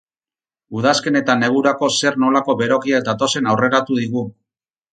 Udazken eta negurako zer-nolako berokiak datozen aurreratu digu.